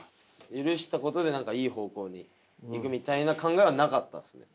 許したことで何かいい方向にいくみたいな考えはなかったですね。